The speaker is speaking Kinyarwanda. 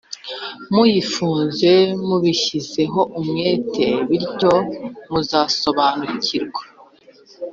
muyifuze mubishyizeho umwete, bityo muzasobanukirwe.